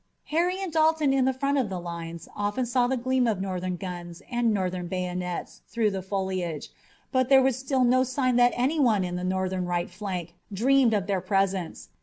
Harry and Dalton in the front of the lines often saw the gleam of Northern guns and Northern bayonets through the foliage, but there was still no sign that anyone in the Northern right flank dreamed of their presence.